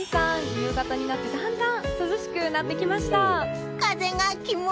夕方になってだんだん涼しくなってきました。